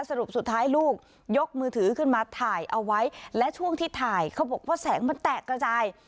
สรุปสุดท้ายลูกยกมือถือขึ้นมาถ่ายเอาไว้และช่วงที่ถ่ายเขาบอกว่าแสงมันแตกกระจาย